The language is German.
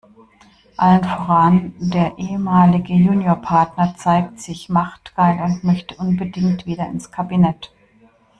Allen voran der ehemalige Juniorpartner zeigt sich machtgeil und möchte unbedingt wieder ins Kabinett.